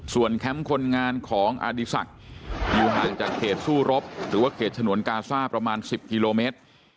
แคมป์คนงานของอดีศักดิ์อยู่ห่างจากเขตสู้รบหรือว่าเขตฉนวนกาซ่าประมาณ๑๐กิโลเมตร